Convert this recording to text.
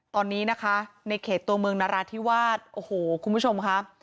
ตอนนี้นะคะในเขตตัวเมืองนราธิวาสโอ้โหคุณผู้ชมค่ะ